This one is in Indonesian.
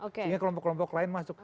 sehingga kelompok kelompok lain masuk